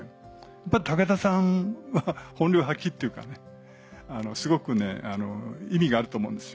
やっぱ武田さんは本領発揮っていうかすごく意味があると思うんですよ。